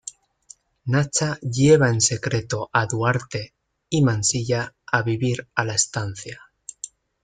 Nacha lleva en secreto a Duarte y Mansilla a vivir a la estancia.